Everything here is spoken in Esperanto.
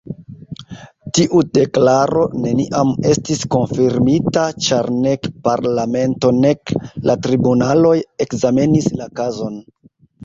Tiu deklaro neniam estis konfirmita, ĉar nek parlamento nek la tribunaloj ekzamenis la kazon.